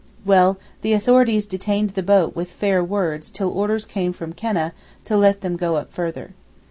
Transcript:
Well, the authorities detained the boat with fair words till orders came from Keneh to let them go up further.